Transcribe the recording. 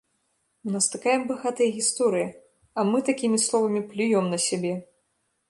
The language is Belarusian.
У нас такая багатая гісторыя, а мы такімі словамі плюём на сябе!